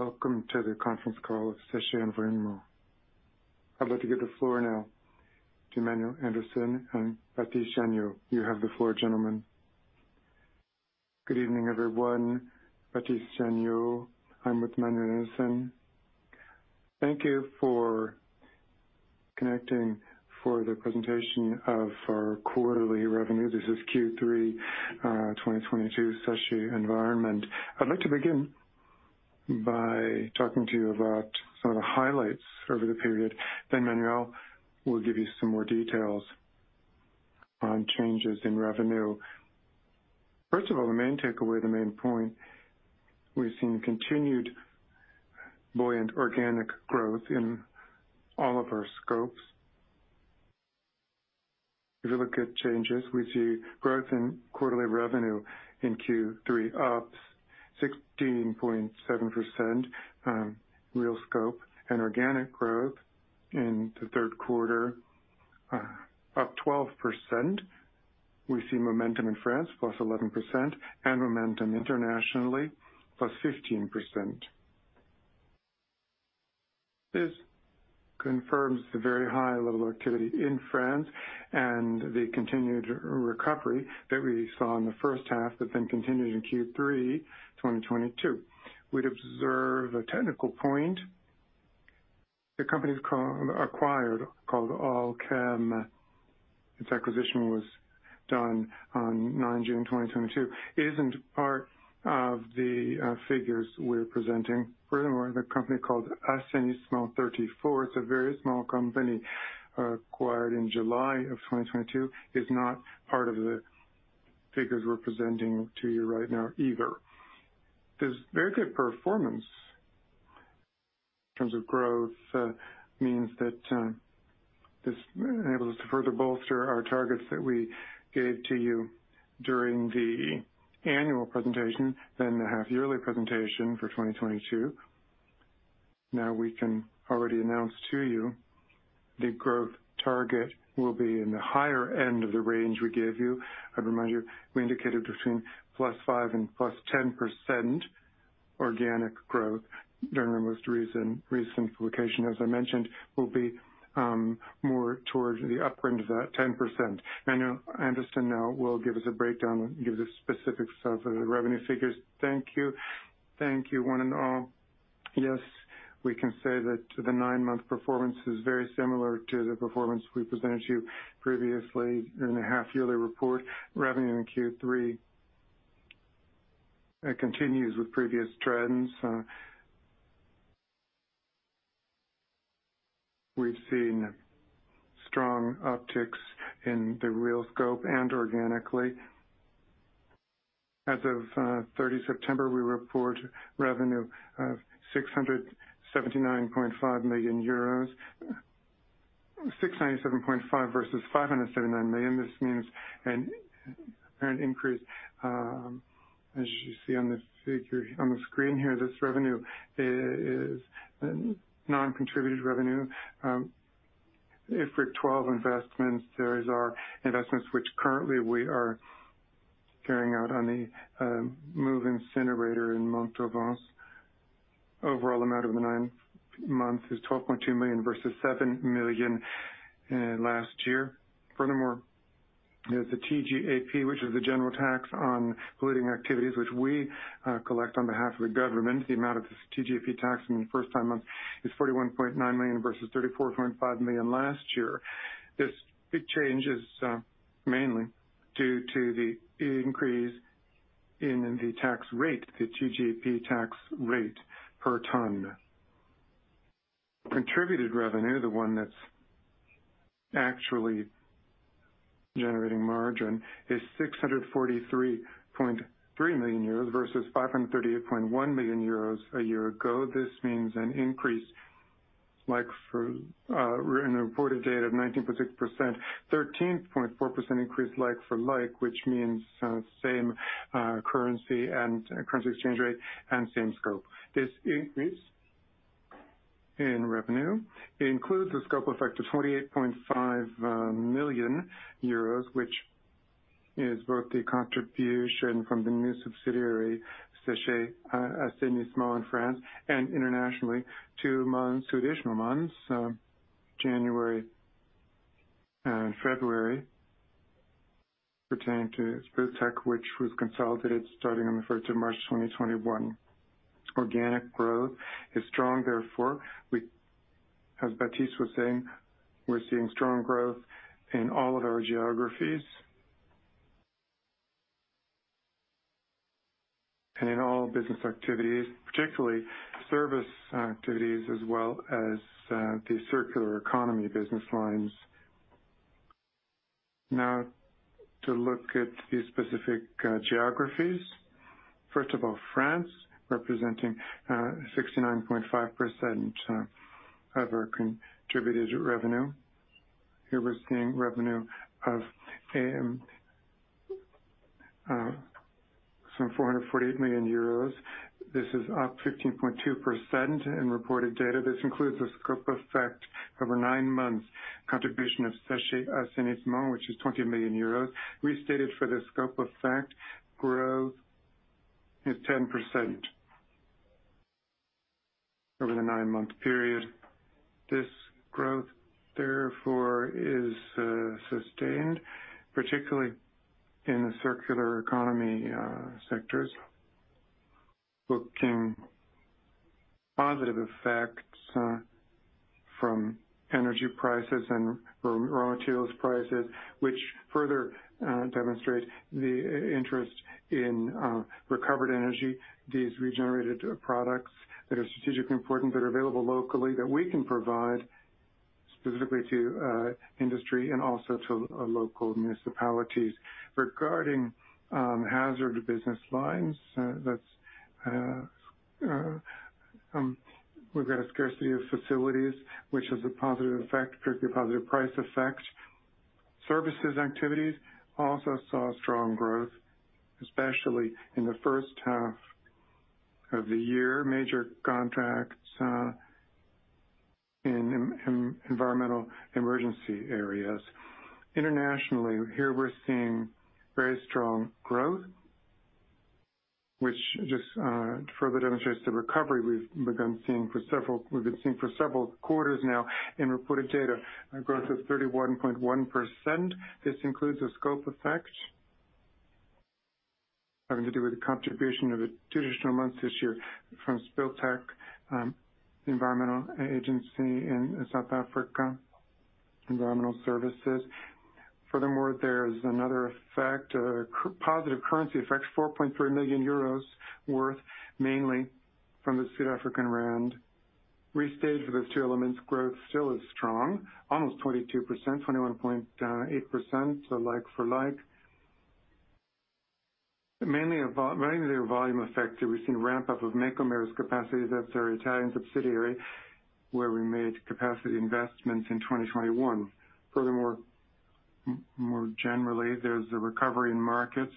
Welcome to the conference call of Séché Environnement. I'd like to give the floor now to Manuel Andersen and Baptiste Janiaud. You have the floor, gentlemen. Good evening, everyone. Baptiste Janiaud. I'm with Manuel Andersen. Thank you for connecting for the presentation of our quarterly revenue. This is Q3, 2022 Séché Environnement. I'd like to begin by talking to you about some of the highlights over the period. Then Manuel will give you some more details on changes in revenue. First of all, the main takeaway, the main point, we've seen continued buoyant organic growth in all of our scopes. If you look at changes, we see growth in quarterly revenue in Q3, up 16.7%, real scope and organic growth in the third quarter, up 12%. We see momentum in France, +11%, and momentum internationally, +15%. This confirms the very high level of activity in France, and the continued recovery that we saw in the first half that then continued in Q3 2022. We'd observe a technical point. The company acquired called All'Chem, its acquisition was done on 9 June, 2022. It isn't part of the figures we're presenting. Furthermore, the company called Assainissement 34, it's a very small company, acquired in July 2022, is not part of the figures we're presenting to you right now either. This very good performance in terms of growth means that this enables us to further bolster our targets that we gave to you during the annual presentation and the half-yearly presentation for 2022. Now we can already announce to you the growth target will be in the higher end of the range we gave you. I remind you, we indicated between +5% and +10% organic growth during our most recent publication. As I mentioned, we'll be more towards the upper end of that 10%. Manuel Andersen now will give us a breakdown, the specifics of the revenue figures. Thank you one and all. Yes, we can say that the nine-month performance is very similar to the performance we presented to you previously in the half yearly report. Revenue in Q3 continues with previous trends. We've seen strong upticks in the real scope and organically. As of 30 September, we report revenue of 679.5 million euros versus 579 million. This means an increase, as you see on this figure on the screen here. This revenue is non-contributed revenue, IFRS 12 investments. Those are investments which currently we are carrying out on the Mo'UVE in Montauban. Overall amount of the nine months is 12.2 million versus 7 million last year. Furthermore, there's the TGAP, which is the general tax on polluting activities, which we collect on behalf of the government. The amount of this TGAP tax in the first nine months is 41.9 million versus 34.5 million last year. This big change is mainly due to the increase in the tax rate, the TGAP tax rate per ton. Contributed revenue, the one that's actually generating margin, is 643.3 million euros versus 538.1 million euros a year ago. This means an increase of 19.6% in the reported data. 13.4% increase like for like, which means same currency and currency exchange rate and same scope. This increase in revenue includes a scope effect of 28.5 million euros, which is both the contribution from the new subsidiary, Séché Assainissement in France and internationally, two additional months, January and February, pertaining to Spill Tech, which was consolidated starting on the first of March 2021. Organic growth is strong. Therefore, as Baptiste was saying, we're seeing strong growth in all of our geographies and in all business activities, particularly service activities as well as the circular economy business lines. Now to look at the specific geographies. First of all, France, representing 69.5% of our consolidated revenue. Here we're seeing revenue of some 448 million euros. This is up 15.2% in reported data. This includes a scope effect over nine months, contribution of Séché Assainissement, which is 20 million euros. Restated for the scope effect, growth is 10%. Over the nine month period. This growth therefore is sustained, particularly in the circular economy sectors, booking positive effects from energy prices and raw materials prices, which further demonstrates the interest in recovered energy. These regenerated products that are strategically important, that are available locally, that we can provide specifically to industry and also to local municipalities. Regarding hazard business lines, that's we've got a scarcity of facilities, which is a positive effect, particularly positive price effect. Services activities also saw strong growth, especially in the first half of the year. Major contracts in environmental emergency areas. Internationally, here we're seeing very strong growth, which just further demonstrates the recovery we've been seeing for several quarters now in reported data. A growth of 31.1%. This includes a scope effect having to do with the contribution of the additional months this year from Spill Tech, environmental agency in South Africa, environmental services. Furthermore, there is another effect, a positive currency effect, 4.3 million euros worth, mainly from the South African rand. Restated for those two elements, growth still is strong, almost 22%, 21.8% like for like. Mainly the volume effect that we've seen ramp up of Mecomer's capacity. That's our Italian subsidiary, where we made capacity investments in 2021. Furthermore, more generally, there's a recovery in markets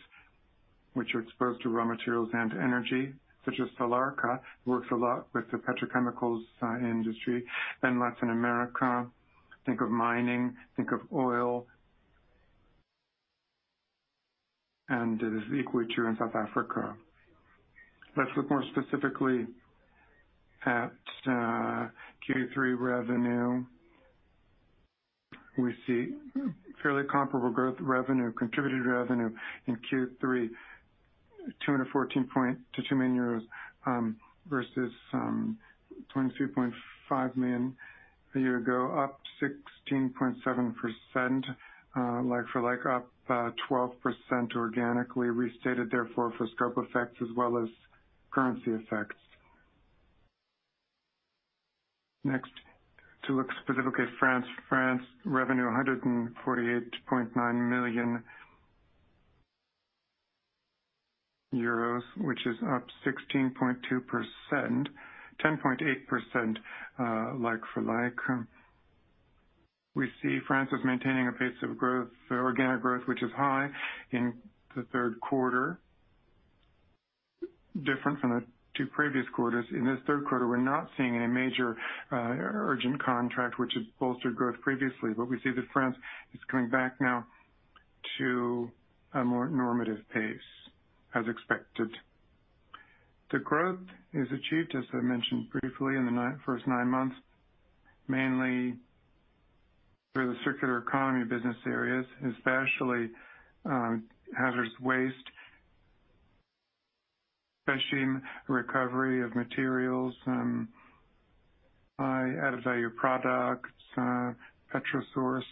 which are exposed to raw materials and energy, such as Solarca, works a lot with the petrochemicals industry. Latin America, think of mining, think of oil. It is equally true in South Africa. Let's look more specifically at Q3 revenue. We see fairly comparable growth revenue, contributed revenue in Q3, 214.2 million euros, versus 22.5 million a year ago, up 16.7%. Like for like, up 12% organically restated therefore for scope effects as well as currency effects. Next, to look specifically at France. France revenue, 148.9 million euros, which is up 16.2%. 10.8% like for like. We see France is maintaining a pace of growth, organic growth, which is high in the third quarter, different from the two previous quarters. In this third quarter, we're not seeing any major urgent contract, which has bolstered growth previously. We see that France is coming back now to a more normative pace, as expected. The growth is achieved, as I mentioned briefly, in the first nine months, mainly through the circular economy business areas, especially hazardous waste, especially in recovery of materials, high added value products, petro-sourced.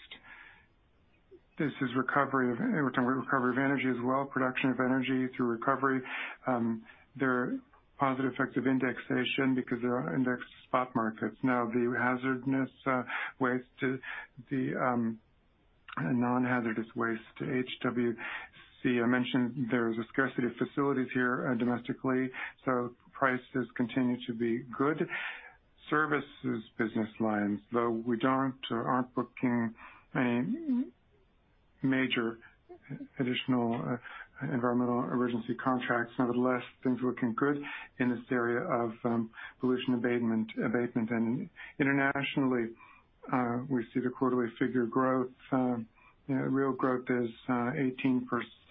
This is recovery of; we're talking recovery of energy as well, production of energy through recovery. There are positive effects of indexation because they are indexed spot markets. Now the hazardous waste, too, the non-hazardous waste NHW. I mentioned there is a scarcity of facilities here domestically, so prices continue to be good. Services business lines, though we don't or aren't booking any major additional environmental emergency contracts. Nevertheless, things are looking good in this area of pollution abatement. Internationally, we see the quarterly figure growth. Real growth is 18%,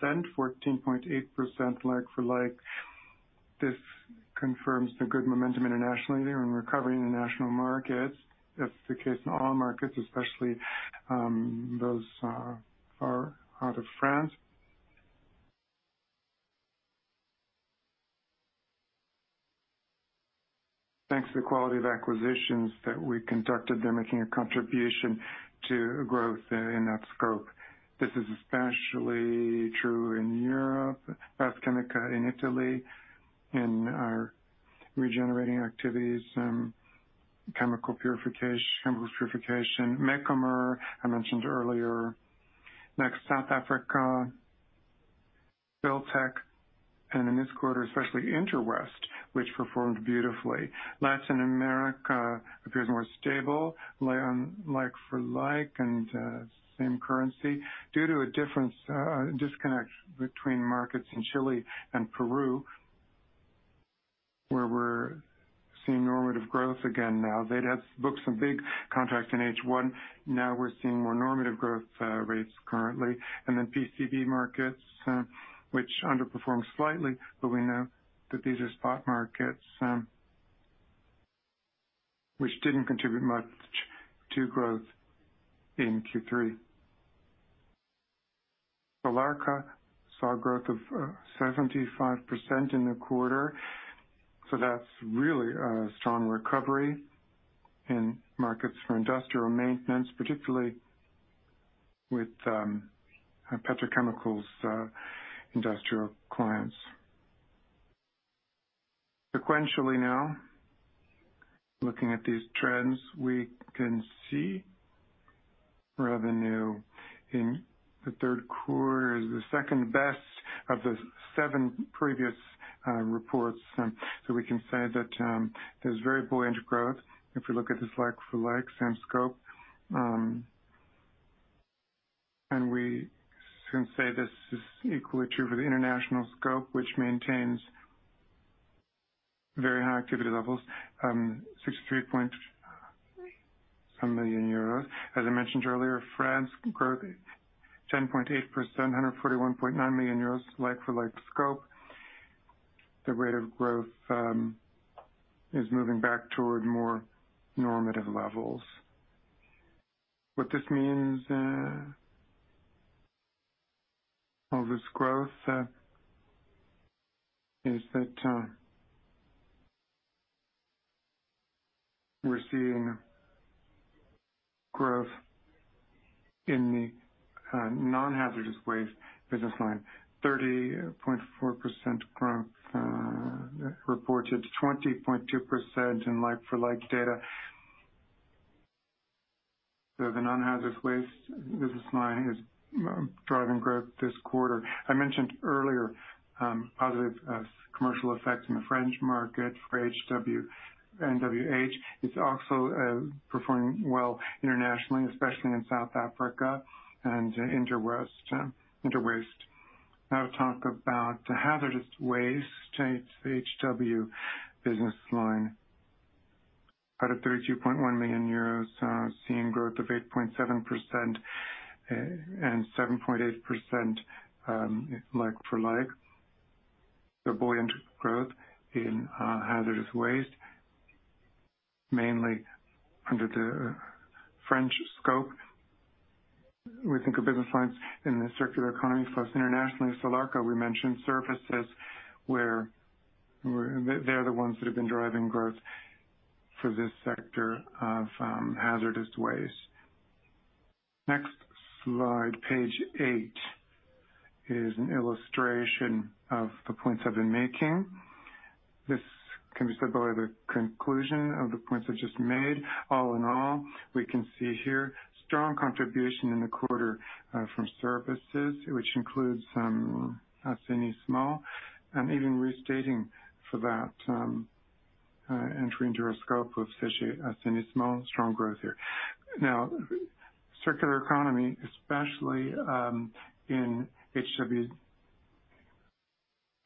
14.8% like for like. This confirms the good momentum internationally and recovery in the national markets. That's the case in all markets, especially those far out of France. Thanks to the quality of acquisitions that we conducted, they're making a contribution to growth in that scope. This is especially true in Europe, Baschieri in Italy, in our regenerating activities, chemical purification. Mecomer, I mentioned earlier. Next, South Africa, Spill Tech, and in this quarter, especially Interwaste, which performed beautifully. Latin America appears more stable, like for like and same currency due to a difference, disconnect between markets in Chile and Peru, where we're seeing normative growth again now. They'd had booked some big contracts in H1. Now we're seeing more normative growth rates currently. Then PCB markets, which underperformed slightly, but we know that these are spot markets, which didn't contribute much to growth in Q3. Solarca saw growth of 75% in the quarter, so that's really a strong recovery in markets for industrial maintenance, particularly with our petrochemicals, industrial clients. Sequentially now, looking at these trends, we can see revenue in the third quarter is the second best of the seven previous reports. So we can say that there's very buoyant growth if we look at this like-for-like same scope. We can say this is equally true for the international scope, which maintains very high activity levels, EUR 63.something million. As I mentioned earlier, France growth 10.8%, 141.9 million euros like-for-like scope. The rate of growth is moving back toward more normative levels. What this means, all this growth, is that we're seeing growth in the non-hazardous waste business line. 30.4% growth, reported, 20.2% in like-for-like data. The non-hazardous waste business line is driving growth this quarter. I mentioned earlier, positive commercial effects in the French market for HW, NHW. It's also performing well internationally, especially in South Africa and Interwaste. Now to talk about the hazardous waste, it's the HW business line. Out of 32.1 million euros, seeing growth of 8.7%, and 7.8%, like for like. Buoyant growth in hazardous waste, mainly under the French scope. We think of business lines in the circular economy plus internationally. Solarca we mentioned, services, where they are the ones that have been driving growth for this sector of hazardous waste. Next slide, page eight is an illustration of the points I've been making. This can be seen as the conclusion of the points I just made. All in all, we can see here strong contribution in the quarter from services, which includes Assainissement, and even restating for that entry into our scope of Assainissement, strong growth here. Now, circular economy, especially in HW,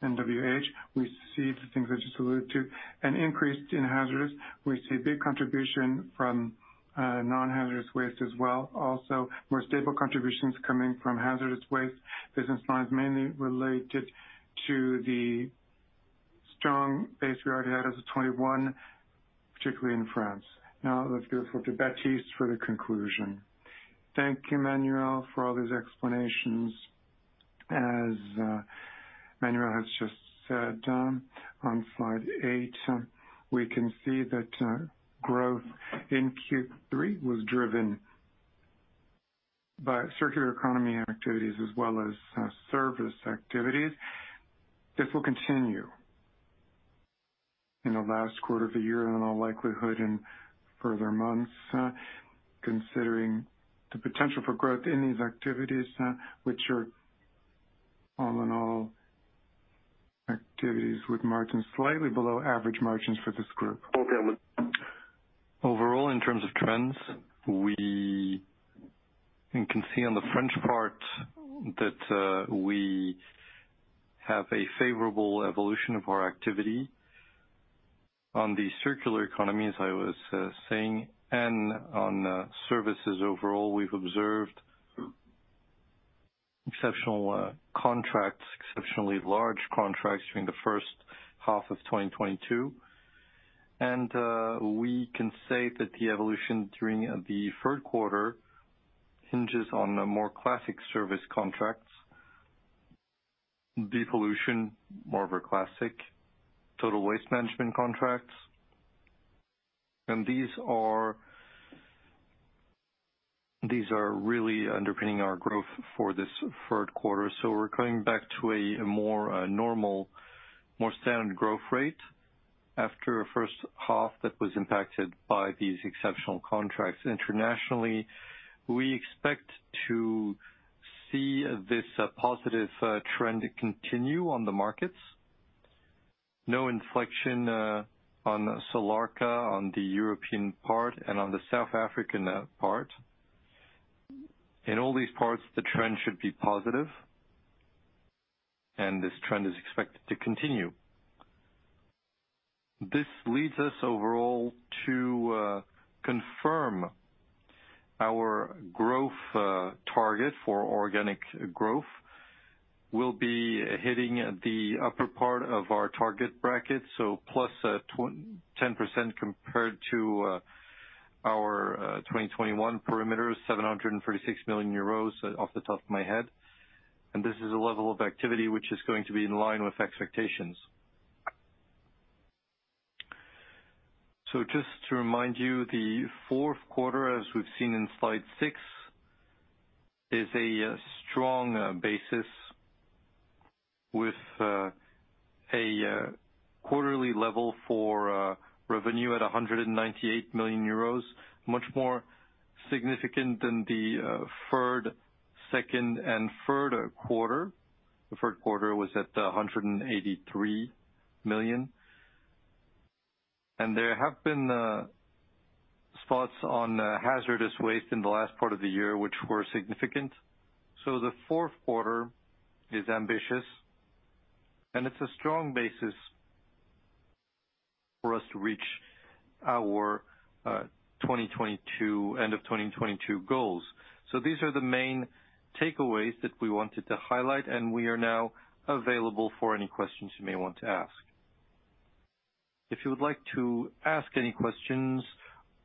NHW, we see the things I just alluded to. An increase in hazardous, we see a big contribution from non-hazardous waste as well. Also more stable contributions coming from hazardous waste business lines, mainly related to the strong base we already had as of 2021, particularly in France. Now, let's give it over to Baptiste for the conclusion. Thank you, Manuel, for all those explanations. As Manuel has just said, on slide eight, we can see that growth in Q3 was driven by circular economy activities as well as service activities. This will continue in the last quarter of the year in all likelihood in further months, considering the potential for growth in these activities, which are all in all activities with margins slightly below average margins for this group. Overall, in terms of trends, you can see on the French part that we have a favorable evolution of our activity. On the circular economy, as I was saying, and on services overall, we've observed exceptional contracts, exceptionally large contracts during the first half of 2022. We can say that the evolution during the third quarter hinges on the more classic service contracts. Depollution, more of a classic total waste management contracts. These are really underpinning our growth for this third quarter. We're going back to a more normal, more standard growth rate after a first half that was impacted by these exceptional contracts. Internationally, we expect to see this positive trend continue on the markets. No inflection on Solarca, on the European part and on the South African part. In all these parts, the trend should be positive, and this trend is expected to continue. This leads us overall to confirm our growth target for organic growth will be hitting the upper part of our target bracket, so +10% compared to our 2021 perimeter, 736 million euros off the top of my head. This is a level of activity which is going to be in line with expectations. Just to remind you, the fourth quarter, as we've seen in slide six, is a strong basis with a quarterly level for revenue at 198 million euros, much more significant than the second and third quarter. The third quarter was at 183 million. There have been spots on hazardous waste in the last part of the year, which were significant. The fourth quarter is ambitious, and it's a strong basis for us to reach our end of 2022 goals. These are the main takeaways that we wanted to highlight, and we are now available for any questions you may want to ask. If you would like to ask any questions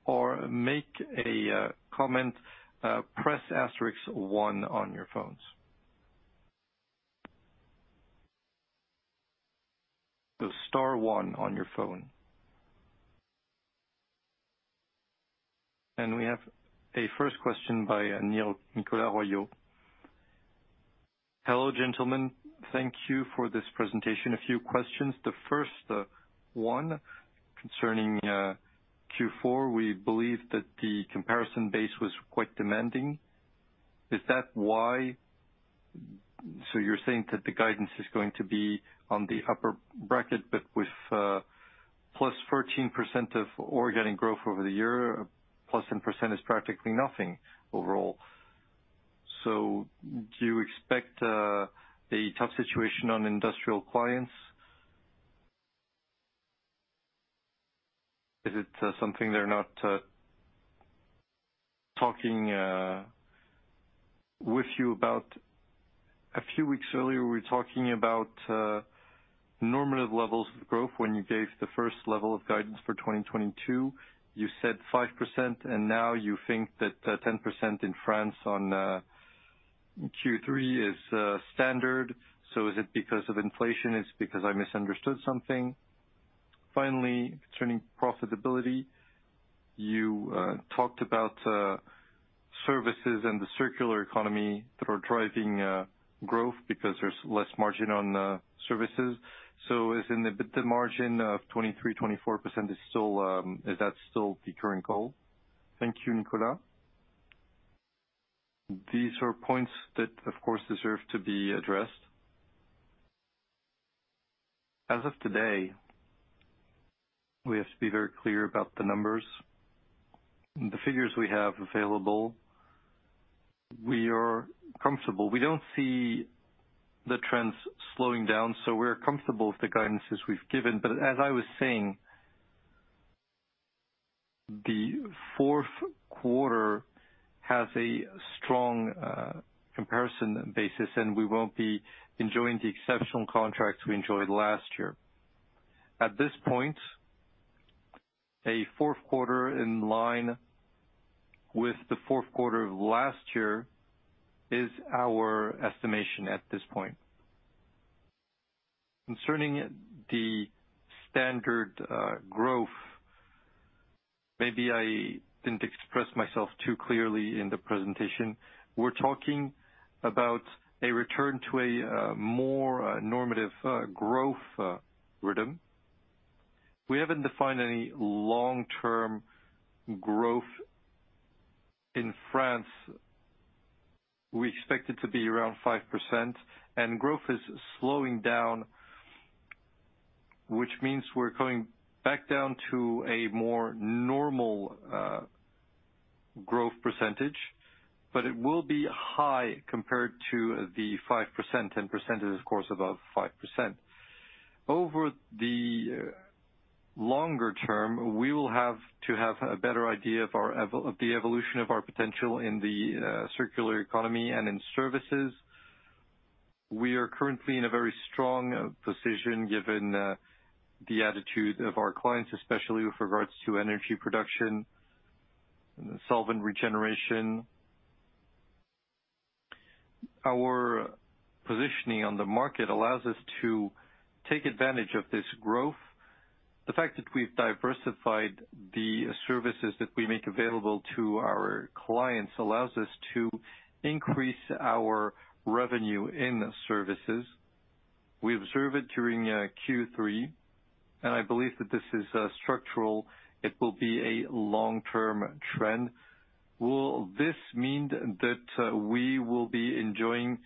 or make a comment, press star one on your phones. The star one on your phone. We have a first question by Nicolas Royot. Hello, gentlemen. Thank you for this presentation. A few questions. The first one concerning Q4, we believe that the comparison base was quite demanding. Is that why you're saying that the guidance is going to be on the upper bracket, but with +14% of organic growth over the year, +10% is practically nothing overall. Do you expect a tough situation on industrial clients? Is it something they're not talking with you about? A few weeks earlier, we were talking about normative levels of growth when you gave the first level of guidance for 2022. You said 5%, and now you think that 10% in France on Q3 is standard. Is it because of inflation? Is it because I misunderstood something? Finally, concerning profitability, you talked about services and the circular economy that are driving growth because there's less margin on services. The margin of 23%-24% is still, is that still the current goal? Thank you, Nicolas. These are points that, of course, deserve to be addressed. As of today, we have to be very clear about the numbers and the figures we have available. We are comfortable. We don't see the trends slowing down, so we're comfortable with the guidances we've given. As I was saying, the fourth quarter has a strong comparison basis, and we won't be enjoying the exceptional contracts we enjoyed last year. At this point, a fourth quarter in line with the fourth quarter of last year is our estimation at this point. Concerning the standard growth, maybe I didn't express myself too clearly in the presentation. We're talking about a return to a more normative growth rhythm. We haven't defined any long-term growth in France. We expect it to be around 5%, and growth is slowing down, which means we're going back down to a more normal growth percentage, but it will be high compared to the 5%, 10% is of course above 5%. Over the longer term, we will have to have a better idea of our of the evolution of our potential in the circular economy and in services. We are currently in a very strong position given the attitude of our clients, especially with regards to energy production and solvent regeneration. Our positioning on the market allows us to take advantage of this growth. The fact that we've diversified the services that we make available to our clients allows us to increase our revenue in services. We observe it during Q3, and I believe that this is structural. It will be a long-term trend. Will this mean that we will be enjoying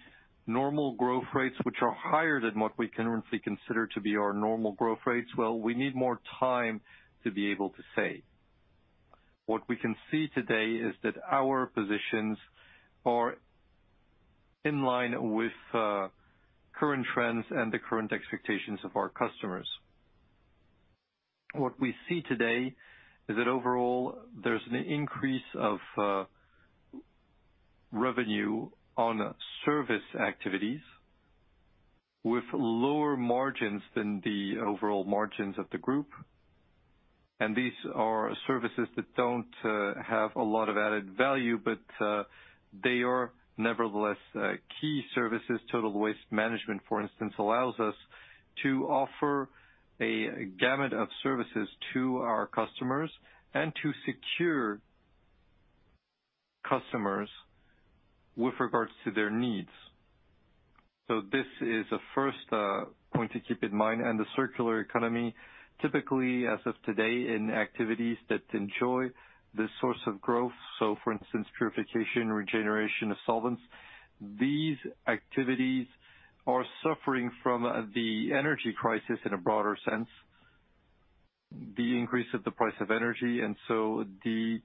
normal growth rates which are higher than what we currently consider to be our normal growth rates? Well, we need more time to be able to say. What we can see today is that our positions are in line with current trends and the current expectations of our customers. What we see today is that overall there's an increase of revenue on service activities with lower margins than the overall margins of the group. These are services that don't have a lot of added value, but they are nevertheless key services. Total waste management, for instance, allows us to offer a gamut of services to our customers and to secure customers with regards to their needs. This is a first point to keep in mind. The circular economy, typically, as of today, in activities that enjoy this source of growth, so for instance, purification, regeneration of solvents, these activities are suffering from the energy crisis in a broader sense, the increase of the price of energy, and the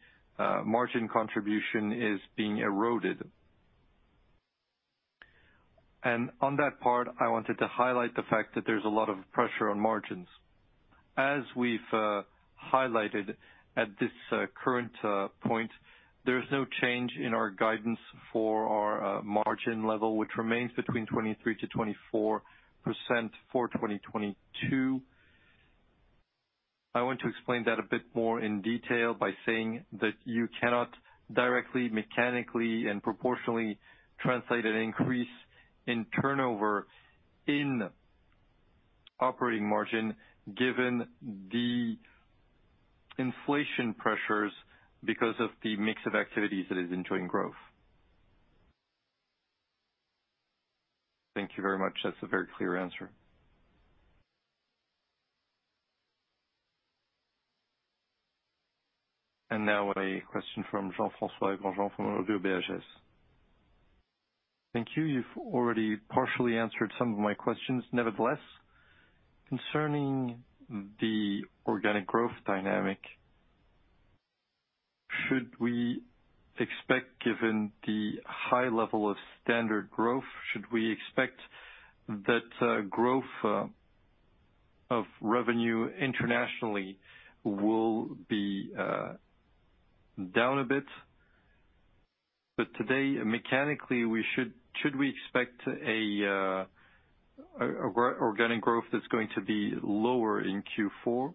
margin contribution is being eroded. On that part, I wanted to highlight the fact that there's a lot of pressure on margins. As we've highlighted at this current point, there's no change in our guidance for our margin level, which remains between 23%-24% for 2022. I want to explain that a bit more in detail by saying that you cannot directly, mechanically, and proportionally translate an increase in turnover in operating margin given the inflation pressures because of the mix of activities that is enjoying growth. Thank you very much. That's a very clear answer. Now a question from Jean-François Granjon from ODDO BHF. Thank you. You've already partially answered some of my questions. Nevertheless, concerning the organic growth dynamic, should we expect, given the high level of standard growth, that growth of revenue internationally will be down a bit? Today, mechanically, should we expect organic growth that's going to be lower in Q4?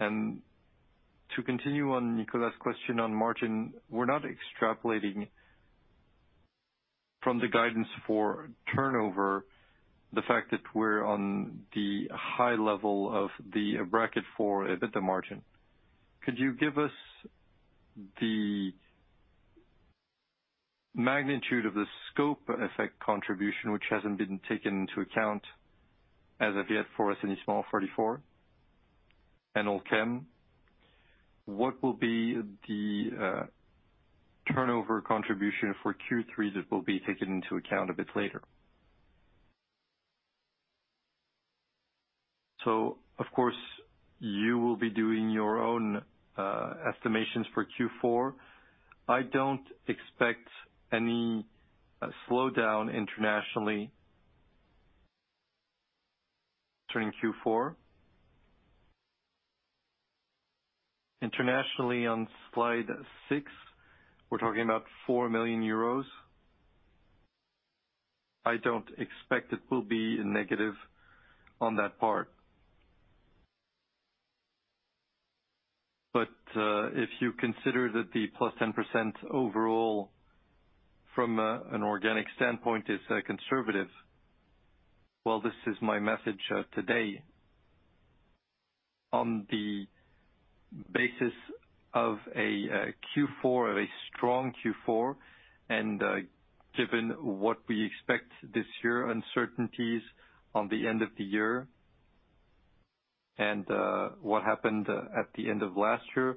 To continue on Nicolas' question on margin, we're not extrapolating from the guidance for turnover the fact that we're on the high level of the bracket for EBITDA margin. Could you give us the magnitude of the scope effect contribution, which hasn't been taken into account as of yet for Assainissement 34 and All'Chem? What will be the turnover contribution for Q3 that will be taken into account a bit later? Of course, you will be doing your own estimations for Q4. I don't expect any slowdown internationally during Q4. Internationally, on slide six, we're talking about 4 million euros. I don't expect it will be negative on that part. If you consider that the +10% overall from an organic standpoint is conservative, well, this is my message today. On the basis of a Q4, a strong Q4, and given what we expect this year, uncertainties on the end of the year and what happened at the end of last year,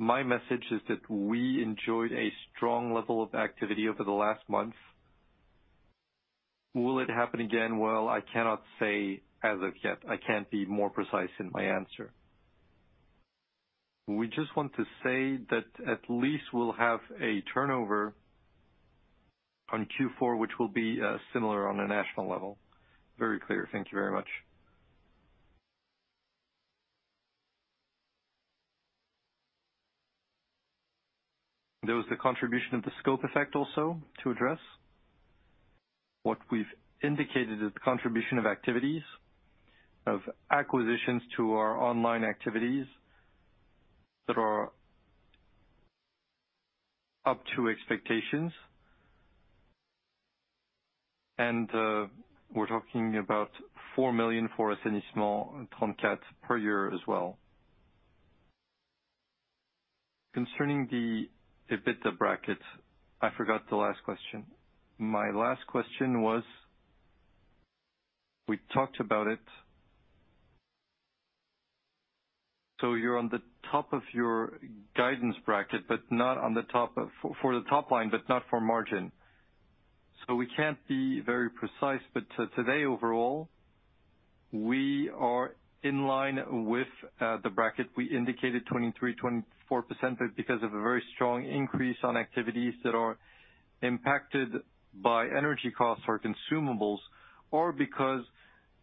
my message is that we enjoyed a strong level of activity over the last month. Will it happen again? Well, I cannot say as of yet. I can't be more precise in my answer. We just want to say that at least we'll have a turnover on Q4, which will be similar on a national level. Very clear. Thank you very much. There was the contribution of the scope effect also to address. What we've indicated is the contribution of activities, of acquisitions to our ongoing activities that are up to expectations. We're talking about 4 million for Assainissement 34 per year as well. Concerning the EBITDA bracket. I forgot the last question. My last question was. We talked about it. You're on the top of your guidance bracket, but not on the top for the top line, but not for margin. We can't be very precise, but today overall, we are in line with the bracket. We indicated 23%-24%, but because of a very strong increase on activities that are impacted by energy costs or consumables, or because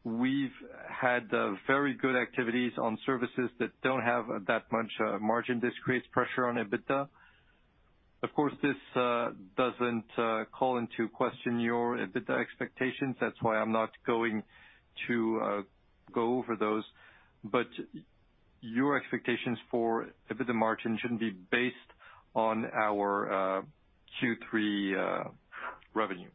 we've had very good activities on services that don't have that much margin. This creates pressure on EBITDA. Of course, this doesn't call into question your EBITDA expectations. That's why I'm not going to go over those. But your expectations for EBITDA margin shouldn't be based on our Q3 revenue.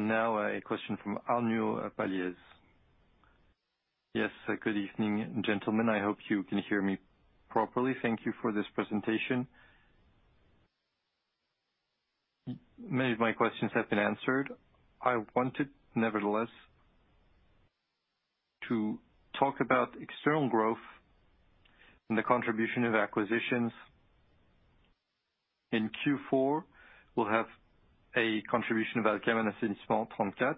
Now a question from Arnaud Palliez. Yes. Good evening, gentlemen. I hope you can hear me properly. Thank you for this presentation. Many of my questions have been answered. I wanted, nevertheless, to talk about external growth and the contribution of acquisitions. In Q4, we'll have a contribution of All'Chem and Assainissement 34.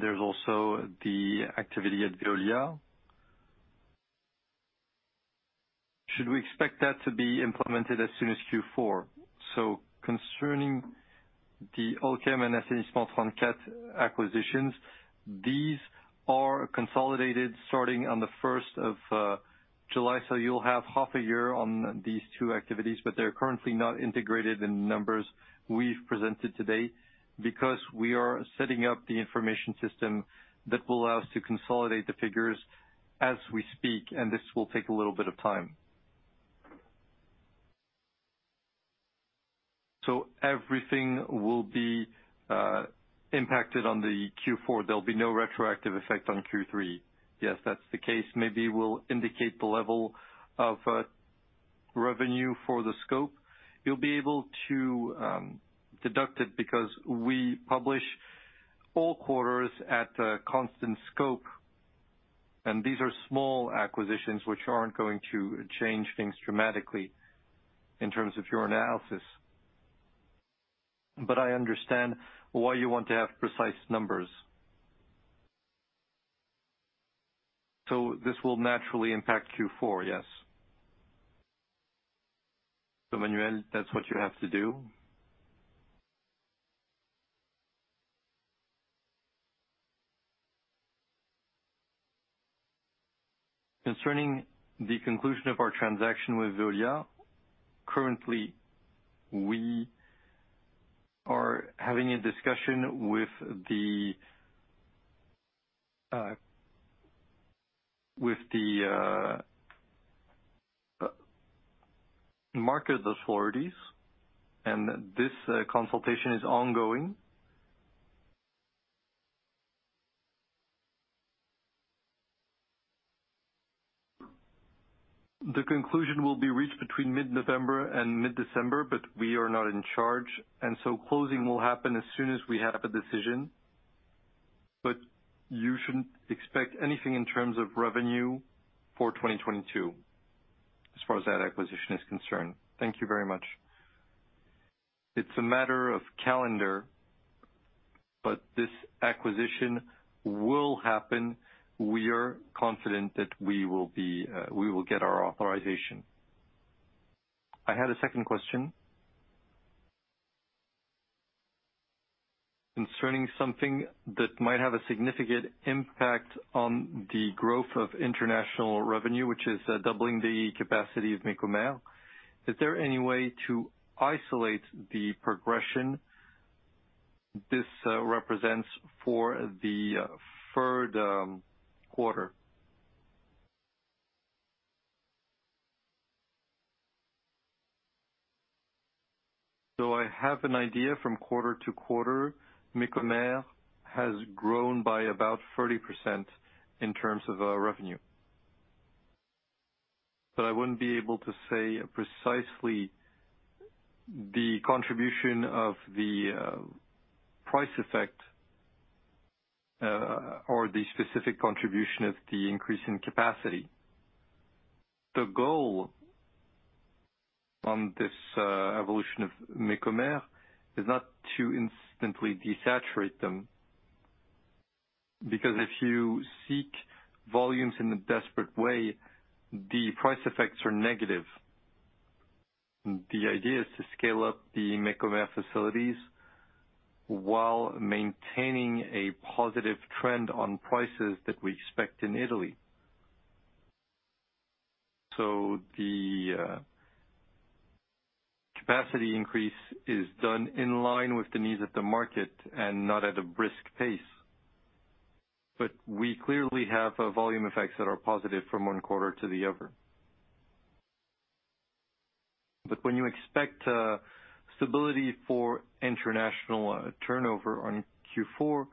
There's also the activity at Veolia. Should we expect that to be implemented as soon as Q4? Concerning the All'Chem and Assainissement 34 acquisitions, these are consolidated starting on the first of July. You'll have half a year on these two activities, but they're currently not integrated in numbers we've presented today because we are setting up the information system that will allow us to consolidate the figures as we speak, and this will take a little bit of time. Everything will be impacted on the Q4. There'll be no retroactive effect on Q3. Yes, that's the case. Maybe we'll indicate the level of revenue for the scope. You'll be able to deduct it because we publish all quarters at a constant scope, and these are small acquisitions which aren't going to change things dramatically in terms of your analysis. I understand why you want to have precise numbers. This will naturally impact Q4? Yes. Manuel, that's what you have to do. Concerning the conclusion of our transaction with Veolia, currently, we are having a discussion with the market authorities, and this consultation is ongoing. The conclusion will be reached between mid-November and mid-December. We are not in charge, and closing will happen as soon as we have a decision. You shouldn't expect anything in terms of revenue for 2022 as far as that acquisition is concerned. Thank you very much. It's a matter of calendar, but this acquisition will happen. We are confident that we will get our authorization. I had a second question. Concerning something that might have a significant impact on the growth of international revenue, which is doubling the capacity of Mecomer. Is there any way to isolate the progression this represents for the third quarter? I have an idea from quarter-to-quarter, Mecomer has grown by about 30% in terms of revenue. But I wouldn't be able to say precisely the contribution of the price effect or the specific contribution of the increase in capacity. The goal on this evolution of Mecomer is not to instantly desaturate them, because if you seek volumes in a desperate way, the price effects are negative. The idea is to scale up the Mecomer facilities while maintaining a positive trend on prices that we expect in Italy. The capacity increase is done in line with the needs of the market and not at a brisk pace. We clearly have volume effects that are positive from one quarter to the other. When you expect stability for international turnover on Q4,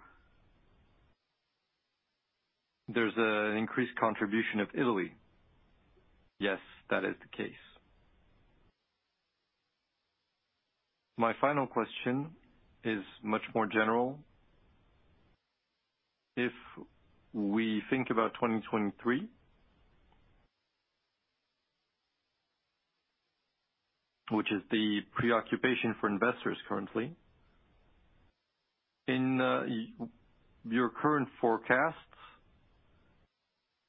there's an increased contribution of Italy. Yes, that is the case. My final question is much more general. If we think about 2023, which is the preoccupation for investors currently. In your current forecasts,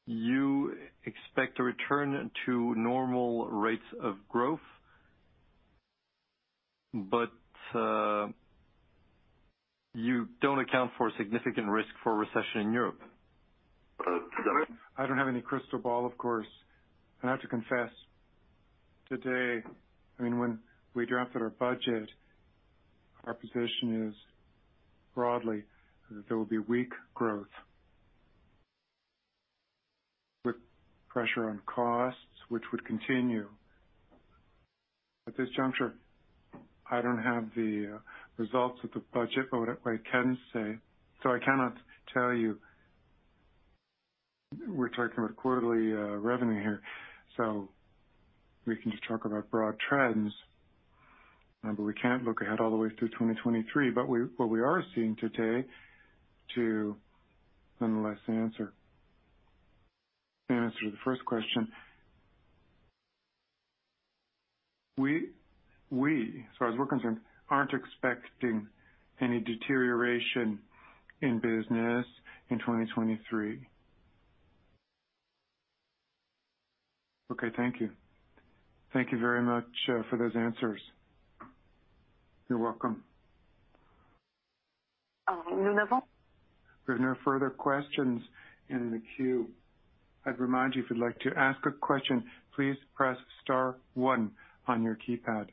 you expect to return to normal rates of growth. You don't account for a significant risk for recession in Europe. I don't have any crystal ball, of course. I have to confess today, I mean, when we drafted our budget, our position is broadly that there will be weak growth. With pressure on costs, which would continue. At this juncture, I don't have the results of the budget, but what I can say. I cannot tell you, we're talking about quarterly revenue here, so we can just talk about broad trends. We can't look ahead all the way through 2023. What we are seeing today to nonetheless answer the first question. We, as far as we're concerned, aren't expecting any deterioration in business in 2023. Okay. Thank you. Thank you very much for those answers. You're welcome. There are no further questions in the queue. I'd remind you, if you'd like to ask a question, please press star one on your keypad.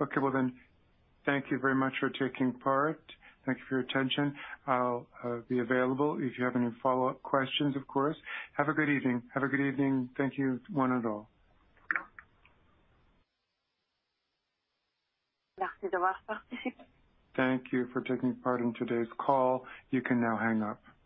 Okay. Well, then. Thank you very much for taking part. Thank you for your attention. I'll be available if you have any follow-up questions, of course. Have a great evening. Have a good evening. Thank you one and all. Thank you for taking part in today's call. You can now hang up.